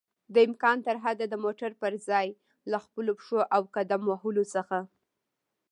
دامکان ترحده د موټر پر ځای له خپلو پښو او قدم وهلو څخه